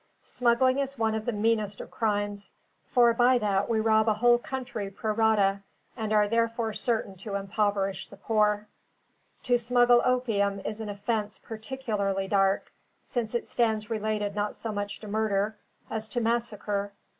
Smuggling is one of the meanest of crimes, for by that we rob a whole country pro rata, and are therefore certain to impoverish the poor: to smuggle opium is an offence particularly dark, since it stands related not so much to murder, as to massacre.